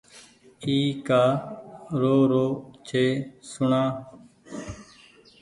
اي ڪآ رو رو ڇي سوڻآ